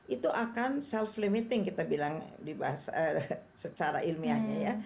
itu akan self limiting kita bilang secara ilmiahnya ya